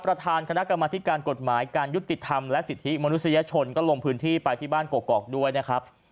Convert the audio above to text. ประธานคณะกรรมธิการกฎหมายการยุติธรรมและสิทธิมนุษยชนก็ลงพื้นที่ไปที่บ้านกอกด้วยนะครับ